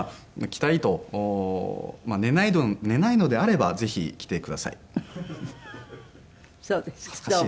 来たいと寝ないのであればぜひ来てください。